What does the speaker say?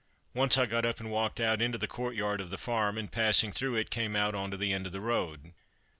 Once I got up and walked out into the courtyard of the farm, and passing through it came out on to the end of the road.